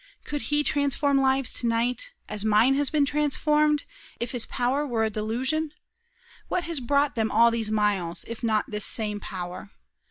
Could he transform lives to night, as mine has been transformed, if his power were a delusion? What has brought them all these miles, if not this same power?